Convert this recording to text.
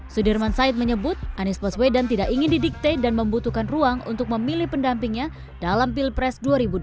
sudirman said menyebut anies baswedan tidak ingin didikte dan membutuhkan ruang untuk memilih pendampingnya dalam pilpres dua ribu dua puluh